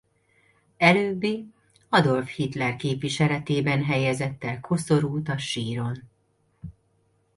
Előbbi Adolf Hitler képviseletében helyezett el koszorút a síron.